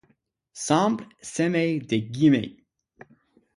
Semblent semer des guillemets :